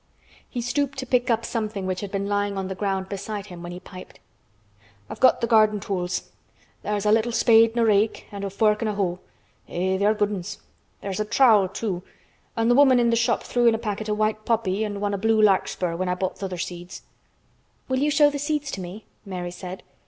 He stooped to pick up something which had been lying on the ground beside him when he piped. "I've got th' garden tools. There's a little spade an' rake an' a fork an' hoe. Eh! they are good 'uns. There's a trowel, too. An' th' woman in th' shop threw in a packet o' white poppy an' one o' blue larkspur when I bought th' other seeds." "Will you show the seeds to me?" Mary said.